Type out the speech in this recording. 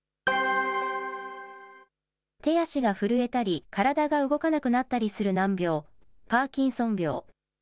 手足が震えたり、体が動かなくなったりする難病、パーキンソン病。